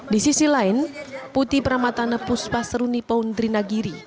di sisi lain putih pramatana puspa seruni poundri nagiri